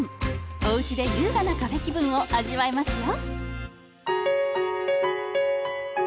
おうちで優雅なカフェ気分を味わえますよ。